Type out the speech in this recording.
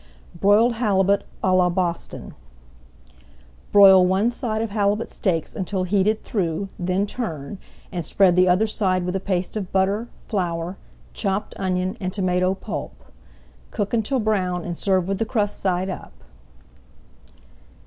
BROILED HALIBUT À LA BOSTON Broil one side of halibut steaks until heated through, then turn, and spread the other side with a paste of butter, flour, chopped onion, and tomato pulp. Cook until brown and serve with the crust side up.